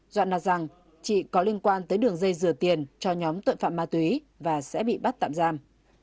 doạn đặt rằng chị có liên quan tới đường dây dừa tiền cho nhóm tội phạm ma túy và sẽ bị bắt tạm giam